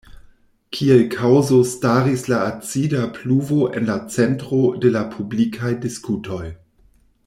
Kiel kaŭzo staris la acida pluvo en la centro de la publikaj diskutoj.